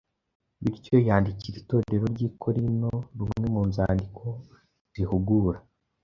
bityo yandikira Itorero ry’i Korinto rumwe mu nzandiko zihugura